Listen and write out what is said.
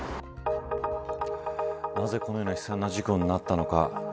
なぜ、このような悲惨な事故になったのか。